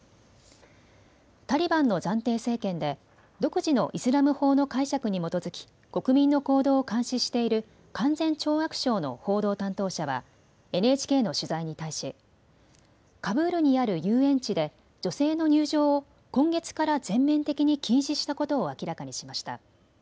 タリバンの暫定政権で独自のイスラム法の解釈に基づき国民の行動を監視している勧善懲悪省の報道担当者はＮＨＫの取材に対し、カブールにある遊園地で女性の入場を今月から全面的に禁止したことを明らかにしました。